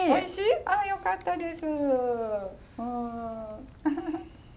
あよかったです。